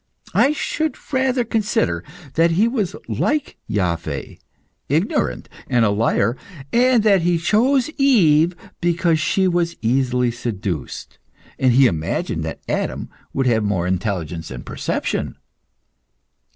I should rather consider that he was like Iaveh, ignorant and a liar, and that he chose Eve because she was easily seduced, and he imagined that Adam would have more intelligence and perception.